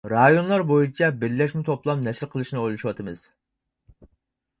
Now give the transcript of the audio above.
رايونلار بويىچە بىرلەشمە توپلام نەشر قىلىشنى ئويلىشىۋاتىمىز.